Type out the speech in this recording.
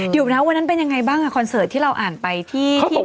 อยู่นะวันนั้นเป็นยังไงบ้างคอนเสิร์ตที่เราอ่านไปที่